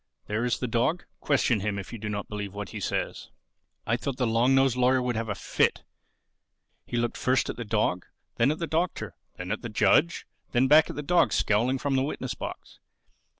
There is the dog: question him, if you do not believe what he says." I thought the long nosed lawyer would have a fit. He looked first at the dog, then at the Doctor, then at the judge, then back at the dog scowling from the witness box.